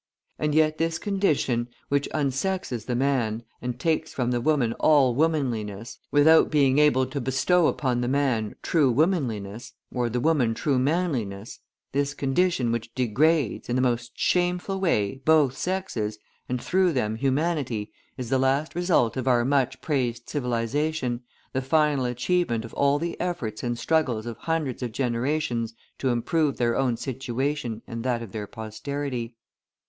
And yet this condition, which unsexes the man and takes from the woman all womanliness without being able to bestow upon the man true womanliness, or the woman true manliness this condition which degrades, in the most shameful way, both sexes, and, through them, Humanity, is the last result of our much praised civilisation, the final achievement of all the efforts and struggles of hundreds of generations to improve their own situation and that of their posterity.